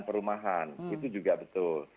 dan perumahan itu juga betul